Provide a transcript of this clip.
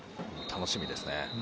楽しみですね。